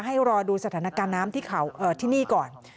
ให้รอดูสถานการณ์น้ำที่นี่ก่อน